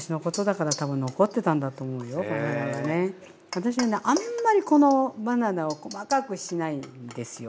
私はねあんまりこのバナナを細かくしないんですよ。